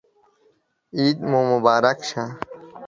عید مو مبارک شه